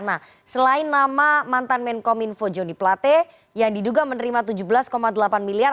nah selain nama mantan menkominfo joni plate yang diduga menerima tujuh belas delapan miliar